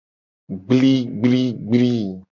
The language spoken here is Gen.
Gbligbligbli.